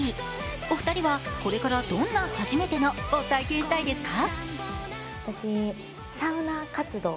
お二人は、これからどんな「はじめての」体験をしたいですか？